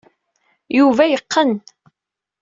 Yuba yeqqen.